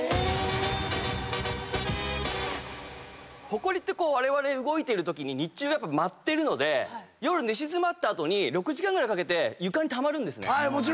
ホコリってわれわれ動いてるとき日中舞ってるので夜寝静まった後に６時間ぐらいかけて床にたまるんですね。